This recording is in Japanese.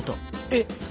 えっ！